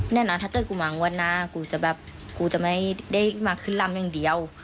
แน่นอนถ้าเจ้ากูมางวดหน้ากูจะไม่ได้มาขึ้นลำอย่างเดียว